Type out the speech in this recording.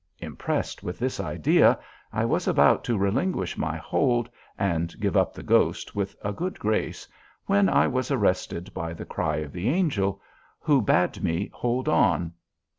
Impressed with this idea I was about to relinquish my hold and give up the ghost with a good grace, when I was arrested by the cry of the Angel, who bade me hold on.